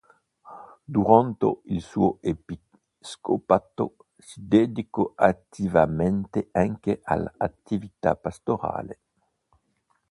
Durante il suo episcopato si dedicò attivamente anche all'attività pastorale.